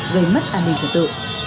gây mất an ninh trật tự